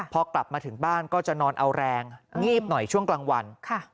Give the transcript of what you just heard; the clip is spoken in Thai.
พอกลับมาถึงบ้านก็จะนอนเอาแรงงีบหน่อยช่วงกลางวัน